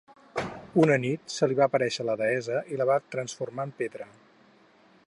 Una nit se li va aparèixer la deessa i la va transformar en pedra.